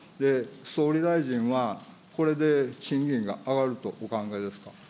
総理大臣は、これで賃金が上がるとお考えですか。